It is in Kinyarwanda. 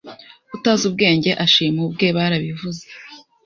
Utazi ubwenge ashima ubwe barabivuze